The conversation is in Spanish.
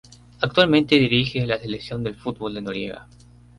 Actualmente dirige a la Selección de fútbol de Nigeria.